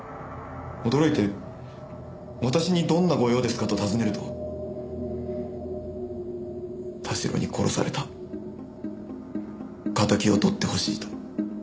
驚いて「私にどんなご用ですか？」と尋ねると「田代に殺された。敵を取ってほしい」と。